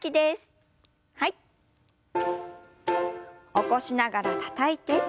起こしながらたたいて。